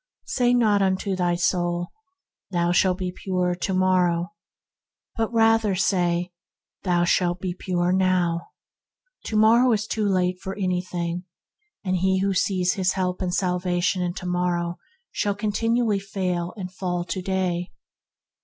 Say not unto thy soul, "Thou shalt be purer to morrow"; but rather say, "Thou shalt be pure now." To morrow is too late for anything, and he who sees his help and salvation in to morrow shall continually fail and fall to day.